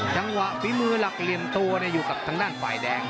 จังหวะภีมือหลักเรียนตัวเนี่ยอยู่กับทางด้านฝ่ายแดง